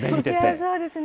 そうですね。